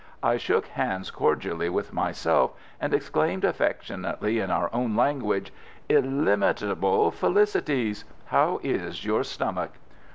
I shook hands cordially with myself, and exclaimed affectionately in our own language, "Illimitable felicities! How is your stomach?"